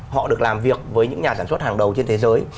họ được làm việc với những nhà sản xuất hàng đầu trên thế giới